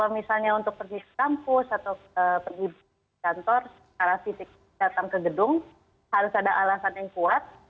misalnya untuk pergi ke kampus atau pergi kantor secara fisik datang ke gedung harus ada alasan yang kuat